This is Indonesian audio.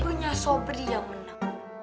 punya sobri yang menang